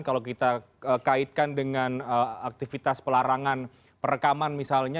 kalau kita kaitkan dengan aktivitas pelarangan perekaman misalnya